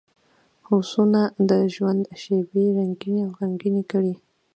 هوسونه د ژوند شېبې رنګینې او غمګینې کړي.